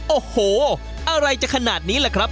โอ้โหอะไรจะขนาดนี้ล่ะครับ